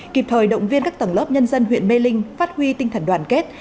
kịp thời động viên các tầng lớp nhân dân huyện mê linh phát huy tinh thần đoàn kết